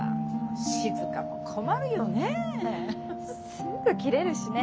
すぐキレるしね。